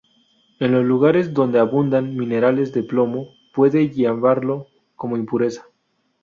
En los lugares donde abundan minerales de plomo puede llevarlo como impureza.